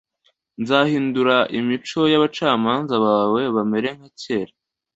nzahindura imico y'abacamanza bawe bamere nka kera